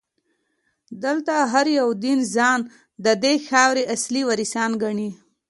دلته هر یو دین ځان ددې خاورې اصلي وارثان ګڼي.